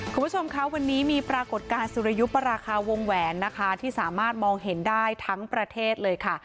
คุณผู้ชมคะวันนี้มีปรากฏการณ์สุริยุปราคาวงแหวนนะคะที่สามารถมองเห็นได้ทั้งประเทศเลยค่ะ